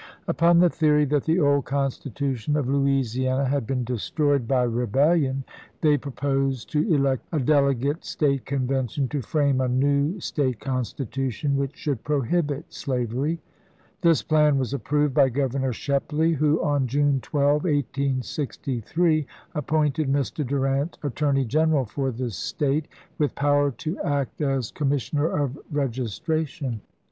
Upon the theory that the old constitution of Louisi ana had been destroyed by rebellion, they proposed to elect a delegate State Convention to frame a new State Constitution which should prohibit slavery. This plan was approved by Grovernor Shepley, who, on June 12, 1863, appointed Mr. Durant attorney general for the State, with power to act as com 420 ABRAHAil LINCOLN ch. XVII. missioner of registration.